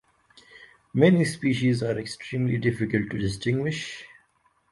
Many species are extremely difficult to distinguish.